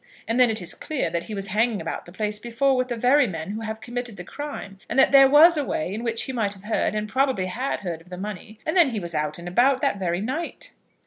And then it is clear that he was hanging about the place before with the very men who have committed the crime; and that there was a way in which he might have heard and probably had heard of the money; and then he was out and about that very night."